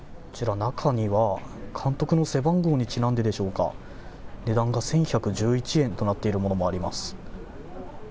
中には、監督の背番号にちなんででしょうか値段が１１１１円となっているものもあります。